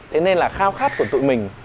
thế nên là khao khát của tụi mình